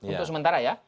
untuk sementara ya